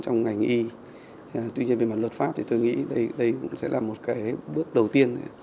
trong ngành y tuy nhiên về mặt luật pháp thì tôi nghĩ đây cũng sẽ là một cái bước đầu tiên